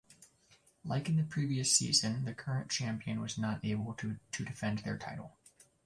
Like in the previous season, the current champion was not able to defend their title.